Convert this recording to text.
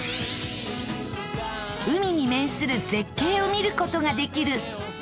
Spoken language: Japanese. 海に面する絶景を見る事ができるこの北海道の駅。